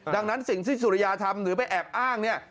ดังนั้นสิ่งที่สุริยาทำหรือไปแอบอ้างเนี่ย